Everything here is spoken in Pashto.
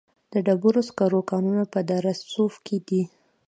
د ډبرو سکرو کانونه په دره صوف کې دي